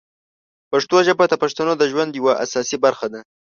پښتو ژبه د پښتنو د ژوند یوه اساسي برخه ده.